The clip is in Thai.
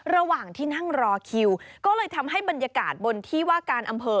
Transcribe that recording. ระหว่างที่นั่งรอคิวก็เลยทำให้บรรยากาศบนที่ว่าการอำเภอ